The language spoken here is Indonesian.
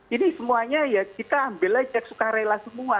ini semuanya ya kita ambil aja suka rela semua